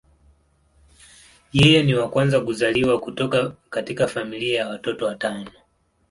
Yeye ni wa kwanza kuzaliwa kutoka katika familia ya watoto watano.